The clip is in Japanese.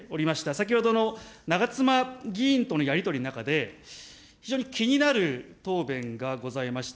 先ほどの長妻議員とのやり取りの中で、非常に気になる答弁がございました。